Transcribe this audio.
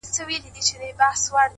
عاجزي د درناوي دروازې خلاصوي’